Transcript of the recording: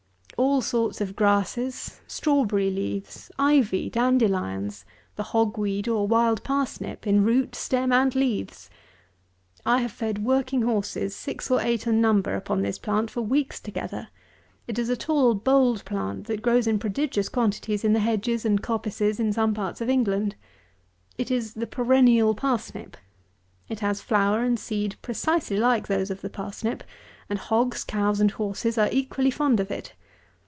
All sorts of grasses, strawberry leaves, ivy, dandelions, the hog weed or wild parsnip, in root, stem, and leaves. I have fed working horses, six or eight in number, upon this plant for weeks together. It is a tall bold plant that grows in prodigious quantities in the hedges and coppices in some parts of England. It is the perennial parsnip. It has flower and seed precisely like those of the parsnip; and hogs, cows, and horses, are equally fond of it.